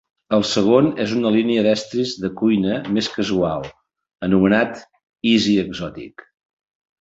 El segon és una línia d'estris de cuina més casual anomenat Easy Exotic.